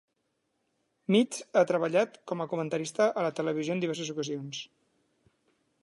Mitts ha treballat com a comentarista a la televisió en diverses ocasions.